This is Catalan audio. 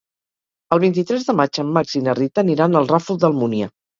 El vint-i-tres de maig en Max i na Rita aniran al Ràfol d'Almúnia.